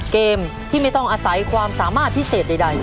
เกมที่ไม่ต้องอาศัยความสามารถพิเศษใด